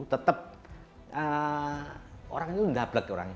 tetap orang itu endablek ya orang